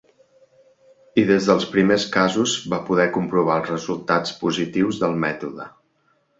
I des dels primers casos va poder comprovar els resultats positius del mètode.